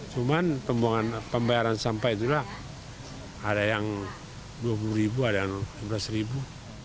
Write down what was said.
cuman pembayaran sampah itulah ada yang dua puluh ribu ada yang sebelas ribu